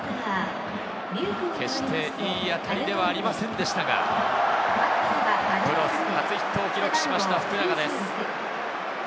決していい当たりではありませんでしたが、プロ初ヒットを記録しました福永です。